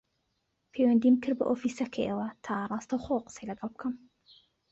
پەیوەندیم کرد بە ئۆفیسەکەیەوە تا ڕاستەوخۆ قسەی لەگەڵ بکەم